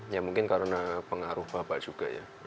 ya mungkin karena pengaruh bapak juga ya